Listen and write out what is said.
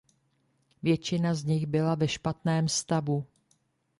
Většina z nich byla ve špatném stavu.